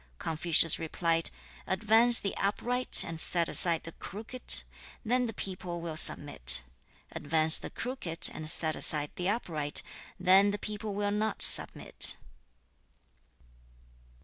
Confucius replied, 'Advance the upright and set aside the crooked, then the people will submit. Advance the crooked and set aside the upright, then the people will not submit.'